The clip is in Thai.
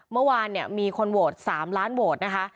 เมื่อวานเนี่ยมีคนโหวต๓ล้านโหวตนะคะ